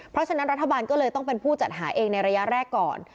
เพราะฉะนั้นรัฐบาลก็เลยต้องเป็นผู้จัดหาเองในระยะแรกก่อน